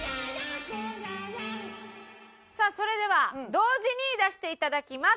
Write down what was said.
さあそれでは同時に出していただきます。